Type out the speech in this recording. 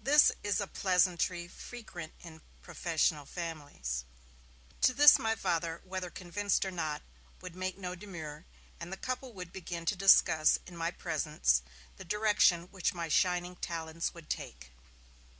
(This is a pleasantry frequent in professional families.) To this my Father, whether convinced or not, would make no demur, and the couple would begin to discuss, in my presence, the direction which my shining talents would take.